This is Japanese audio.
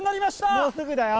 もうすぐだよ。